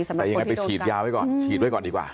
แต่ยังไงไปฉีดยาไว้ก่อนฉีดไว้ก่อนดีกว่า